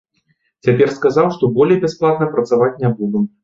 Цяпер сказаў, што болей бясплатна працаваць не буду.